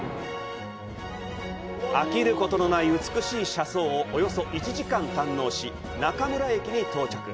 飽きることのない美しい車窓をおよそ１時間堪能し、中村駅に到着。